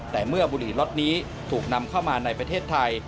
แต่เมื่อบุหรี่ล็อตนี้ถูกนำเข้ามาในประเทศไทย